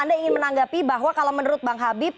anda ingin menanggapi bahwa kalau menurut bang habib